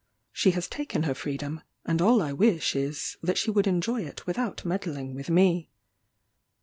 She has taken her freedom; and all I wish is, that she would enjoy it without meddling with me.